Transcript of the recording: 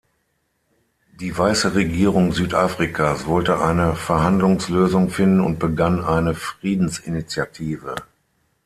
Die weiße Regierung Südafrikas wollte eine Verhandlungslösung finden und begann eine Friedensinitiative.